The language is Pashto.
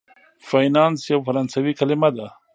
فینانس یوه فرانسوي کلمه ده.